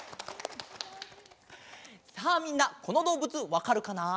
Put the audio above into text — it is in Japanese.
さあみんなこのどうぶつわかるかな？